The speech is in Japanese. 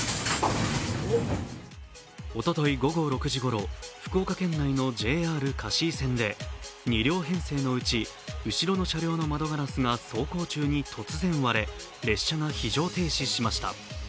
おととい午後６時ごろ、福岡県内のＪＲ香椎線で、２両編成のうち後ろの車両の窓ガラスが走行中に突然割れ、列車が非常停止しました。